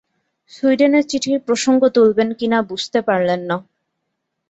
সুইডেনের চিঠির প্রসঙ্গ তুলবেন কি না বুঝতে পারলেন না।